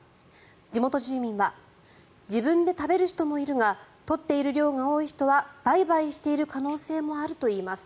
地元住民は自分で食べる人もいるが取っている量が多い人は売買している可能性もあるといいます。